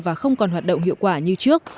và không còn hoạt động hiệu quả như trước